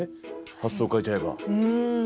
発想を変えちゃえば。